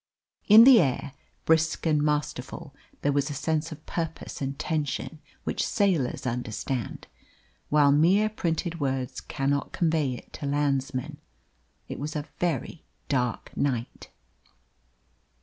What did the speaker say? In the air, brisk and masterful, there was a sense of purpose and tension which sailors understand, while mere printed words cannot convey it to landsmen. It was a very dark night.